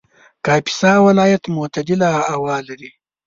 کاپیسا ولایت معتدله هوا لري